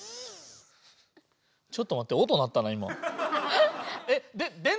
ちょっと待って音鳴ったな今。